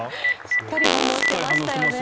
しっかり反応してましたよね。